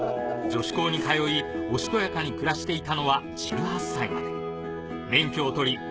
女子校に通いおしとやかに暮らしていたのは１８歳まで免許を取り